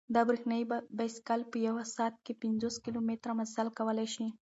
دا برېښنايي بایسکل په یوه ساعت کې پنځوس کیلومتره مزل کولای شي.